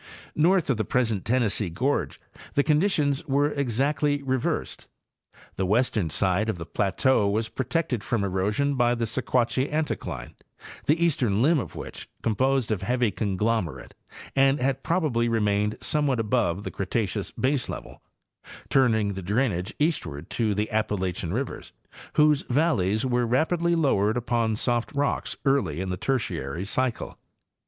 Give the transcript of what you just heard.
North of the present Tennessee gorge the conditions were exactly reversed. The western side of the plateau was protected from erosion by the Sequatchie anticline, the eastern limb of which, composed of heavy conglomerate, had probably remained some what above the Cretaceous baselevel, turning the drainage east ward to the Appalachian rivers, whose valleys were rapidly lowered upon soft rocks early in the Tertiary cycle.